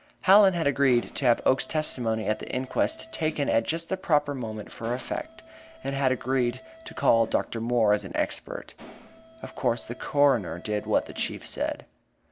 Hallen had agreed to have Oakes's testimony at the inquest taken at just the proper moment for effect, and had agreed to call Dr. Moore as an expert. Of course, the coroner did what the Chief asked.